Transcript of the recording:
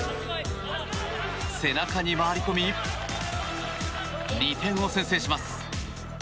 背中に回り込み２点を先制します。